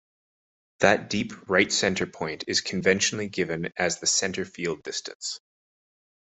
That deep right-center point is conventionally given as the center field distance.